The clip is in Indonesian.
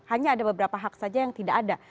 hanya ada beberapa hak saja yang tidak ada